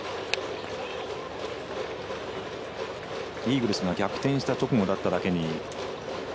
イーグルスが逆転した直後だっただけに。